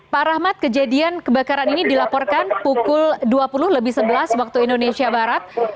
pak rahmat kejadian kebakaran ini dilaporkan pukul dua puluh lebih sebelas waktu indonesia barat